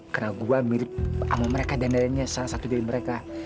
karena gue mirip sama mereka dan adanya salah satu dari mereka